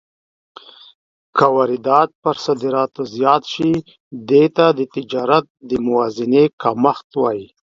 که واردات پر صادراتو زیات شي، دې ته د تجارت د موازنې کمښت وايي.